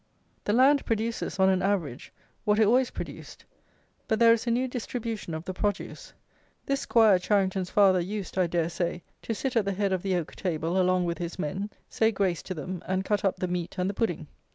The land produces, on an average, what it always produced; but there is a new distribution of the produce. This 'Squire Charington's father used, I dare say, to sit at the head of the oak table along with his men, say grace to them, and cut up the meat and the pudding.